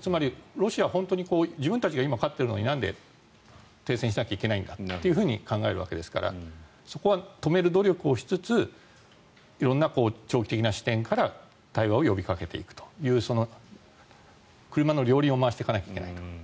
つまり、ロシアは本当に自分たちが勝っているのになぜ停戦しないといけないのかと考えるわけですからそこは止める努力をしつつ色んな長期的な視点から対話を呼びかけていくという車の両輪を回していかなきゃいけないと。